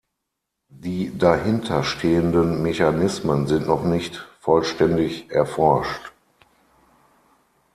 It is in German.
Die dahinter stehenden Mechanismen sind noch nicht vollständig erforscht.